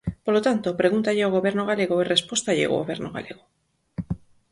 Polo tanto, pregúntalle ao Goberno galego e respóstalle o Goberno galego.